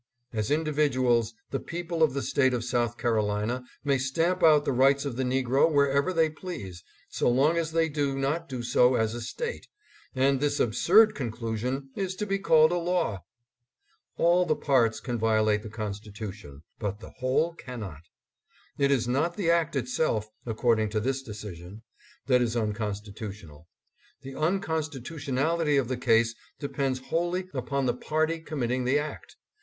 As indi viduals, the people of the State of South Carolina may stamp out the rights of the negro wherever they please, so long as they do not do so as a State, and this absurb conclusion is to be called a law. All the parts can violate the Constitution, but the whole cannot. It is not the act itself, according to this decision, that is unconstitutional. The unconstitutionality of the case depends wholly upon the party committing the act.